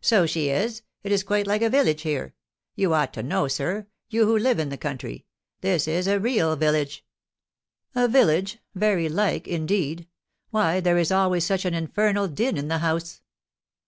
"So she is; it is quite like a village here. You ought to know, sir, you who live in the country, this is a real village." "A village! Very like, indeed! Why, there is always such an infernal din in the house."